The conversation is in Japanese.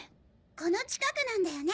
この近くなんだよね？